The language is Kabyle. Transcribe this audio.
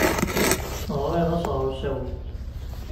Ɣriɣ-as ɣer usawal.